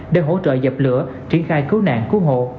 để hỗ trợ dập lửa triển khai cứu nạn cứu hộ